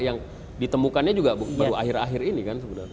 yang ditemukannya juga baru akhir akhir ini kan sebenarnya